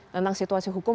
tentang situasi hukum